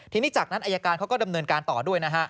ทีนี้จากนั้นอายการเขาก็ดำเนินการต่อด้วยนะฮะ